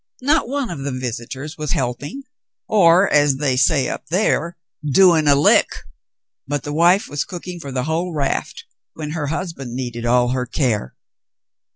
Not one of the visitors was helping, or, as they say up there, 'doing a hck,' but the vdie was cooking for the vrhole raft when her husband needed all her care.